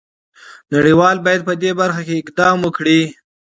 نړۍ وال باید په دې برخه کې اقدام وکړي.